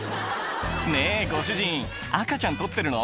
「ねぇご主人赤ちゃん撮ってるの？」